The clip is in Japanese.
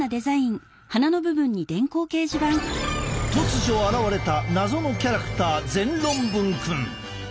突如現れた謎のキャラクター全論文くん！